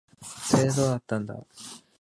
それで、どうだったんだ。